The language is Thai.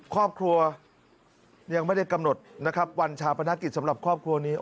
ครอบครัวยังไม่ได้กำหนดนะครับวันชาปนกิจสำหรับครอบครัวนี้